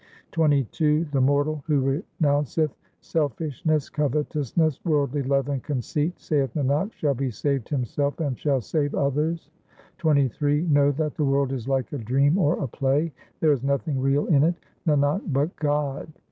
SLOKS OF GURU TEG BAHADUR 417 XXII The mortal who renounceth selfishness, covetousness, worldly love, and conceit, Saith Nanak, shall be saved himself and shall save others. XXIII Know that the world is like a dream or 1 a play ; There is nothing real in it, Nanak, but God.